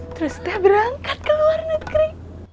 terus dia berangkat ke luar negeri